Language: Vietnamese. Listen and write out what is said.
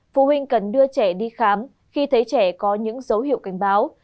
phụ huynh cần đưa trẻ đi khám khi thấy trẻ có những dấu hiệu cảnh báo